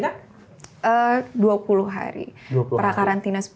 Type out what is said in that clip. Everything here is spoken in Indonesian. berapa hari sih karantina